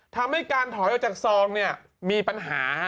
ทำให้การถอยออกจากซองเนี่ยมีปัญหา